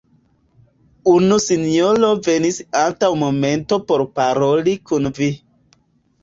Unu sinjoro venis antaŭ momento por paroli kun vi.